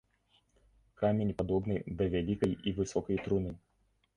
Камень падобны да вялікай і высокай труны.